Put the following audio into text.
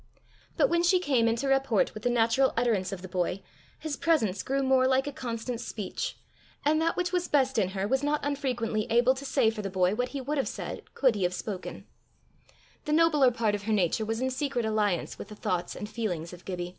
But when she came into rapport with the natural utterance of the boy, his presence grew more like a constant speech, and that which was best in her was not unfrequently able to say for the boy what he would have said could he have spoken: the nobler part of her nature was in secret alliance with the thoughts and feelings of Gibbie.